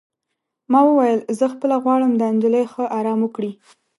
ما وویل: زه خپله غواړم دا نجلۍ ښه ارام وکړي.